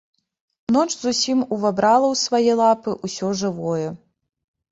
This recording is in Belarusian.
Ноч зусім увабрала ў свае лапы ўсё жывое.